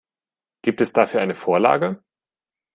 Gibt es dafür eine Vorlage?